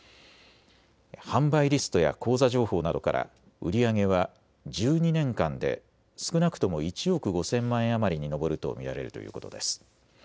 販売リストや口座情報などから売り上げは１２年間で少なくとも１億５０００万円余りに上ると見られるということです。